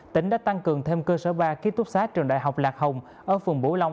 tỉnh đã tăng cường thêm cơ sở ba ký túc xá trường đại học lạc hồng ở phường bửu long